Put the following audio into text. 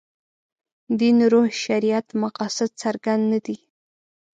دین روح شریعت مقاصد څرګند نه دي.